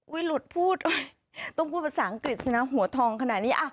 หลุดพูดต้องพูดภาษาอังกฤษสินะหัวทองขนาดนี้